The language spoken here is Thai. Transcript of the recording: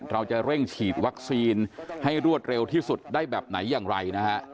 เราจะเร่งฉีดวัคซีนให้รวดเร็วที่สุดได้แบบไหนอย่างไรนะฮะ